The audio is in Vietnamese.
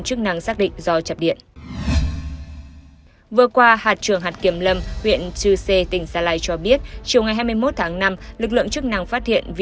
chức năng xác định do chập điện